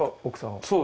奥さんを。